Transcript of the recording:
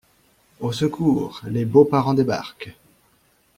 Au secours, les beaux-parents débarquent!